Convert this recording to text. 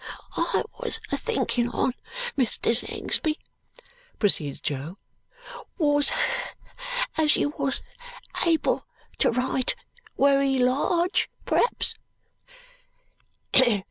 "Wot I was a thinkin on, Mr. Sangsby," proceeds Jo, "wos, as you wos able to write wery large, p'raps?"